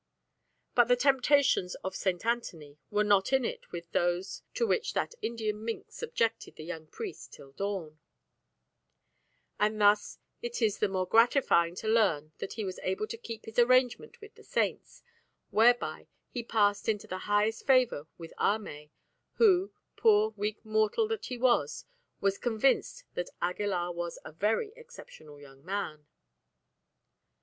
But the temptations of St. Anthony were not in it with those to which that Indian minx subjected the young priest till dawn, and thus it is the more gratifying to learn that he was able to keep his arrangement with the Saints, whereby he passed into the highest favour with Ahmay, who, poor weak mortal that he was, was convinced that Aguilar was a very exceptional young man.